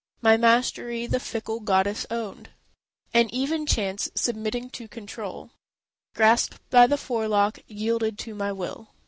My mastery the Fickle Goddess owned, And even Chance, submitting to control, Grasped by the forelock, yielded to my will.